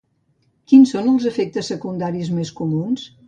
Quins són els efectes secundaris més comuns?